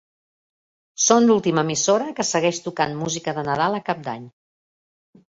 Són l'última emissora que segueix tocant música de Nadal a Cap d'Any.